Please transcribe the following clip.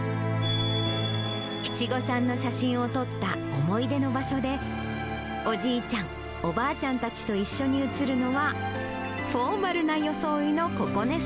七五三の写真を撮った思い出の場所で、おじいちゃん、おばあちゃんたちと一緒に写るのは、フォーマルな装いのここねさ